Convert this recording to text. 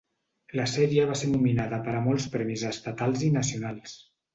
La sèrie va ser nominada per a molts premis estatals i nacionals.